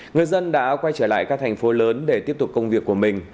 người dân đã quay trở lại các thành phố lớn để tiếp tục công việc của mình